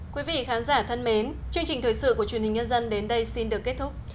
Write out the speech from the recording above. quý vị khán giả thân mến chương trình thời sự của truyền hình nhân dân đến đây xin được kết thúc